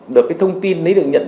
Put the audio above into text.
được cái thông tin lấy được nhận